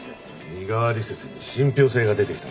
身代わり説に信憑性が出てきたな。